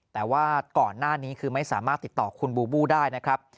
แต่ว่าก่อนหน้านี้คือไม่สามารถติดต่อคุณบูบูได้นะครับ